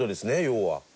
要は。